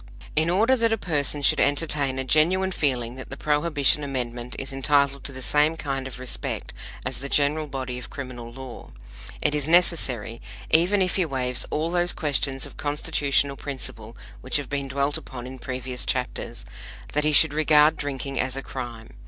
In order that a person should entertain a genuine feeling that the Prohibition Amendment is entitled to the same kind of respect as the general body of criminal law, it is necessary even if he waives all those questions of Constitutional principle which have been dwelt upon in previous chapters that he should regard drinking as a crime.